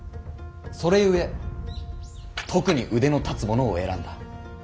それゆえ特に腕の立つ者を選んだ。